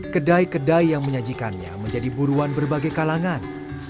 kedai kedai yang menyajikannya menjadi buruan berbagai kalangan